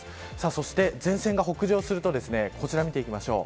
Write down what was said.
そして、前線が北上するとこちら見ていきましょう。